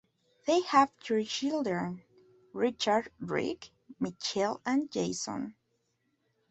They have three children: Richard "Rick", Michele, and Jason.